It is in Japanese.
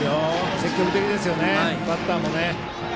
積極的ですね、バッターも。